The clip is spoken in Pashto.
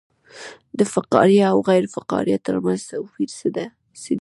د فقاریه او غیر فقاریه ترمنځ توپیر څه دی